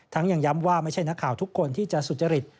ยังย้ำว่าไม่ใช่นักข่าวทุกคนที่จะสุจริต